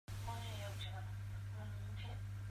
Na dawh tuk.